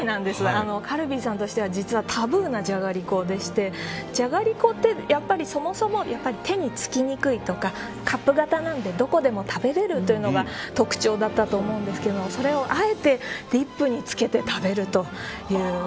カルビーさんとしては実はタブーなじゃがりこでしてじゃがりこってそもそも手に付きにくいとかカップ型なのでどこでも食べられるというのが特徴だったと思うんですけどそれをあえてディップにつけて食べるという。